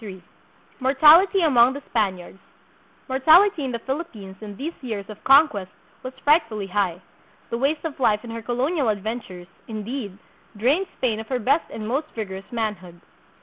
171 Mortality among the Spaniards. Mortality in the Phil* ippines in these years of conquest was frightfully high. The waste of life in her colonial adventures, indeed, drained Spain of her best and most vigorous manhood.